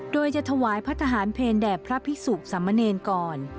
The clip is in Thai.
โดยจะถวายพระทหารเพลแด่พระพิสุสามเนรก่อน